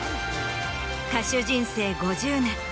歌手人生５０年。